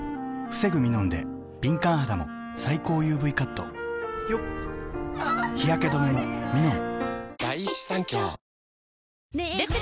防ぐミノンで敏感肌も最高ＵＶカット日焼け止めもミノン！